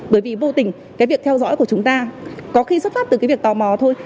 bởi vì vô tình cái việc theo dõi của chúng ta có khi xuất phát từ cái việc tò mò thôi